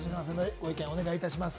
ご意見、お願いします。